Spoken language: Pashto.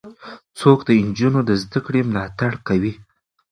څوک د نجونو د زدهکړو ملاتړ کوي؟